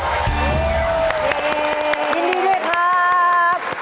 ยินดีด้วยครับ